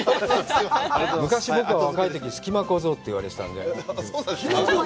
昔、僕は若いとき隙間小僧って言われてたんで。